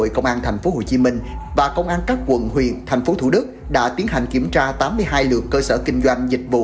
khi mà tiến hành kiểm tra thì phát hiện nhiều